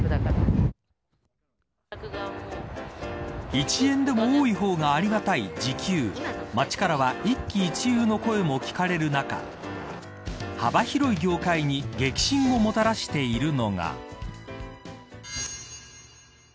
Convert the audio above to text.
１円でも多い方がありがたい時給街からは一喜一憂の声も聞かれる中幅広い業界に激震をもたらしているのが。